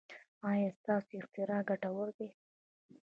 ایا ستاسو اختراع ګټوره ده؟